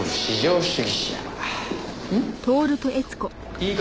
いいか？